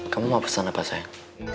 kamu mau pesan apa saya